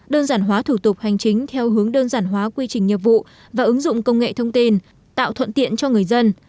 đơn giản hóa thủ tục hành chính theo hướng đơn giản hóa quy trình nghiệp vụ và ứng dụng công nghệ thông tin tạo thuận tiện cho người dân